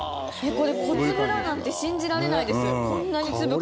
これ、小粒だなんて信じられないです。